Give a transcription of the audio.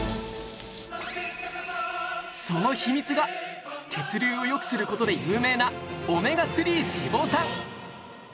その秘密が血流を良くする事で有名なオメガ３脂肪酸。